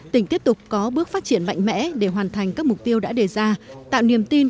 tỉnh tiếp tục có bước phát triển mạnh mẽ để hoàn thành các mục tiêu đã đề ra tạo niềm tin